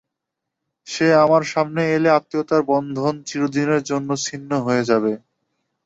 সে আমার সামনে এলে আত্মীয়তার বন্ধন চিরদিনের জন্য ছিন্ন হয়ে যাবে।